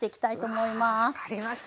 うわ分かりました。